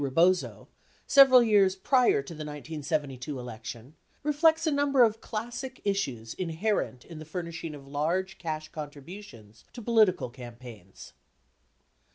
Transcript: Rebozo, several years prior to the 1972 election, reflects a number of classic issues inherent in the furnishing of large cash contributions to political campaigns : 1.